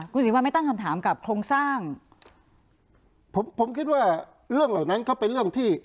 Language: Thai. คุณศรีวัลไม่ตั้งคำถามกับโครงสร้างผมผมคิดว่าเรื่องเหล่านั้นก็เป็นเรื่องที่